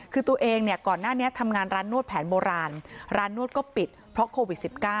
คือตัวเองเนี่ยก่อนหน้านี้ทำงานร้านนวดแผนโบราณร้านนวดก็ปิดเพราะโควิด๑๙